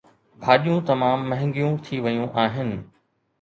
ڀاڄيون تمام مهانگيون ٿي ويون آهن